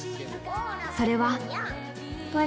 それは。